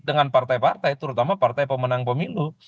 dengan partai partai terutama partai pemenang pemilu